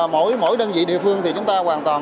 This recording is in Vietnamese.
mỗi mỗi đơn vị địa phương thì chúng ta hoàn toàn